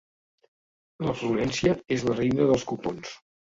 La Florència és la reina dels cupons.